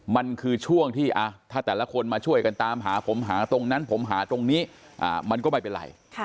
มันคือช่วงที่ถ้าแต่ละคนมาช่วยกันตามหาผมหาตรงนั้นผมหาตรงนี้มันก็ไม่เป็นไร